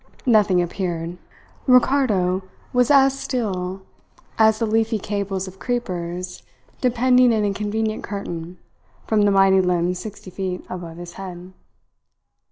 Nothing appeared. Ricardo was as still as the leafy cables of creepers depending in a convenient curtain from the mighty limb sixty feet above his head.